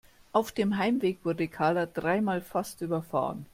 Auf dem Heimweg wurde Karla dreimal fast überfahren.